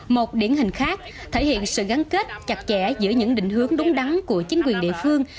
một điển hình khác thể hiện sự gắn kết chặt chẽ giữa những định hướng đúng đắn của chính quyền địa phương